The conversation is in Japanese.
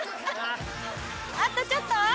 あとちょっと！